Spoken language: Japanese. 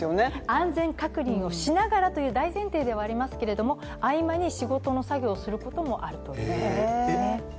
安全確認をしながらという大前提ではありますけれども、合間に仕事の作業をするということもあるということです。